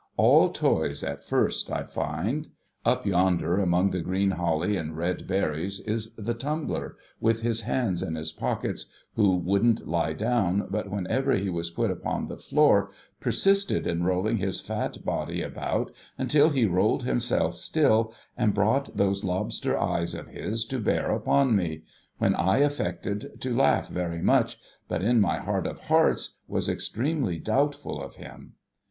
All toys at first, I. find. Up yonder, among the green holly and red berries, is the Tumbler with his hands in his pockets, who wouldn't lie down, but whenever he was put upon the floor, persisted in rolling his fat body about, until he rolled himself still, and brought those lobster eyes of his to bear upon me — when I affected to laugh very much, but in my heart of hearts was extremely doubtful of him.